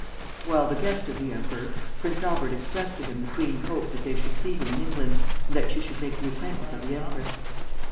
While the guest of the emperor, Prince Albert expressed to him the queen's hope that they should see him in England, and that she should make the acquaintance of the empress.